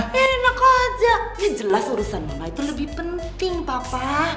enak aja ya jelas urusan mama itu lebih penting papa